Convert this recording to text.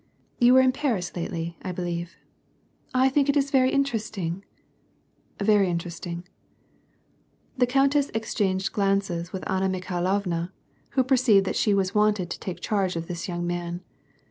"You were in Paris lately, I believe. I think it is very interesting." " Very interesting." The countess exchanged glances with Anna Mikhailovua, who perceived that she was wanted to take charge of this young man.